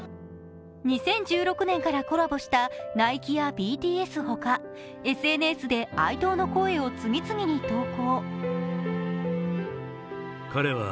２０１６年からコラボしたナイキやＢＴＳほか、ＳＮＳで哀悼の声を次々に投稿。